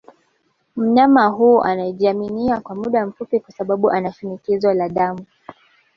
Mnyama huyo anajamiana kwa muda mfupi kwa sababu anashinikizo la damu